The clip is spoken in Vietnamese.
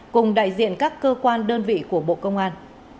cùng đại diện các cơ quan đơn vị của bộ công an